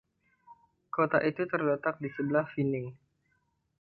Kota itu terletak di sebelah Vining.